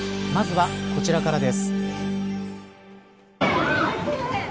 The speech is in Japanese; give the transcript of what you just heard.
まずはこちらからです。